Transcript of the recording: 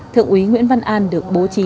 thượng úy nguyễn văn an được bố trí